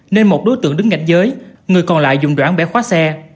nên một đối tượng đứng gạch giới người còn lại dùng đoạn bẻ khóa xe